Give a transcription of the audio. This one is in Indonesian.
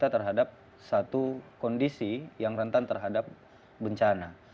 yang menyebabkan penanganan kita terhadap satu kondisi yang rentan terhadap bencana